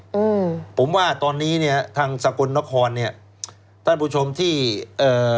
อืมผมว่าตอนนี้เนี้ยทางสกลนครเนี้ยท่านผู้ชมที่เอ่อ